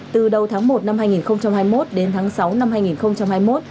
từ đầu tháng một năm hai nghìn hai mươi một đến tháng sáu năm hai nghìn hai mươi một